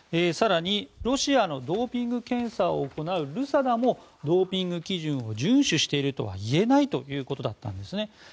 更に、ロシアのドーピング検査を行うＲＵＳＡＤＡもドーピング基準を順守しているとは言えないということだったんですね。